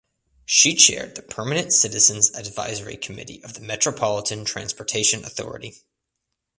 She chaired the Permanent Citizens’ Advisory Committee of the Metropolitan Transportation Authority.